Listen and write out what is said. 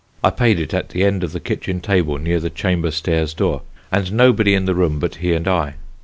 I paid it at ye end of ye kitchen table next ye chamber stairs door, and nobody in ye room but he and I.